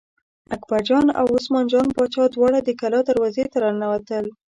اکبرجان او عثمان جان باچا دواړه د کلا دروازې ته را ننوتل.